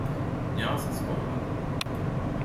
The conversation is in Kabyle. Nniɣ-as ad tqebleḍ.